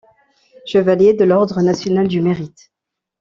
Chevalier de l'Ordre national du mérite.